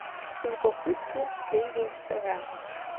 Сынкахәыцуа снеиуан сара.